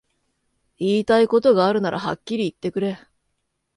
言いたいことがあるならはっきり言ってくれ